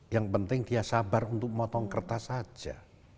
yang penting dia sabar untuk motong kertas saja